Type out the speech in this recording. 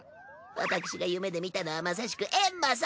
私が夢で見たのはまさしくエンマ様！